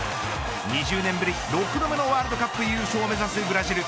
２０年ぶり６度目のワールドカップ優勝を目指すブラジル